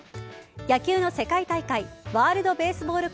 野球の世界大会ワールドベースボール